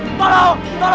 bapak kau kenapa ini